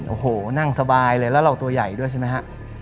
โอ้โหนั่งสบายเลยแล้วเราตัวใหญ่ด้วยใช่ไหมฮะ